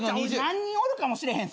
何人おるかも知れへん。